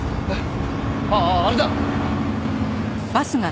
あっあれだ！